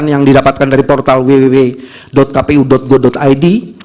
yang didapatkan dari portal www kpu go id